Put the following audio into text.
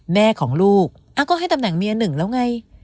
แม่ของลูกก็ให้ตำแหน่งเมียหนึ่งแล้วไง